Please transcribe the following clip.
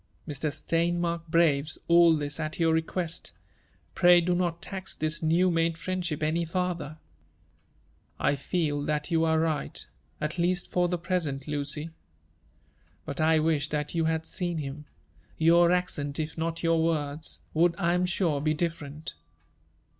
Mr. Steinmark braves all this at your request ;— pray do not tax this new made friendship any farther/' "1 feel that you are right — at least for the present, Lucy. But I wish thiat you had seen htm: your accent, if not your words, would, I am sure, be different."